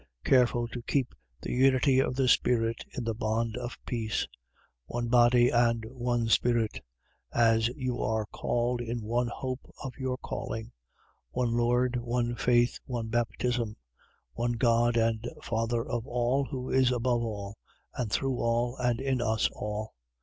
4:3. Careful to keep the unity of the Spirit in the bond of peace. 4:4. One body and one Spirit: as you are called in one hope of your calling. 4:5. One Lord, one faith, one baptism. 4:6. One God and Father of all, who is above all, and through all, and in us all.